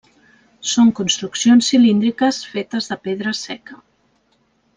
Són construccions cilíndriques fetes de pedra seca.